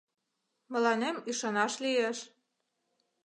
Мыланем ӱшанаш лиеш.